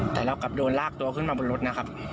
แต่เรากลับโดนลากตัวขึ้นมาบนรถนะครับ